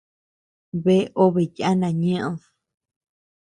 Bea obe yana ñeʼed.